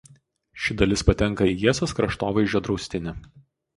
Ši dalis patenka į Jiesios kraštovaizdžio draustinį.